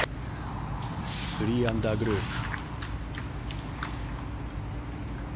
３アンダーグループ。